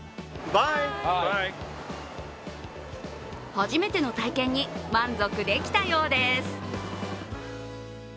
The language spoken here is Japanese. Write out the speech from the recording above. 初めての体験に満足できたようです。